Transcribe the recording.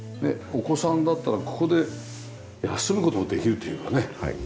お子さんだったらここで休む事もできるというかね。